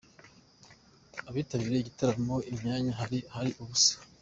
Abitabiriye igitaramo "imyanya hari ahari ubusa".